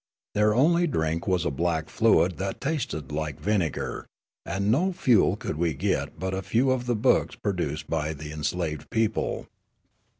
Their only drink was a black fluid that tasted like vinegar, and no fuel could we get but a few of the books produced by the enslaved people.